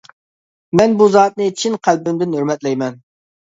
مەن بۇ زاتنى چىن قەلبىمدىن ھۆرمەتلەيمەن!